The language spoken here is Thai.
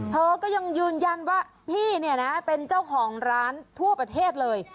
เธอก็ยังยืนยันว่าพี่เนี่ยนะเป็นเจ้าของร้านทั่วประเทศเลย